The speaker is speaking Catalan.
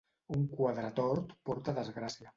Un quadre tort porta desgràcia.